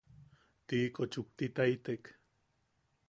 Tiiko chuktitaitek.